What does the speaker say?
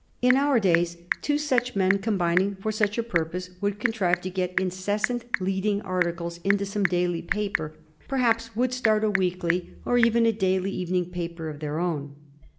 In our days two such men combining for such a purpose would contrive to get incessant leading articles into some daily paper ; per haps would start a weekly or even a daily evening paper of their own.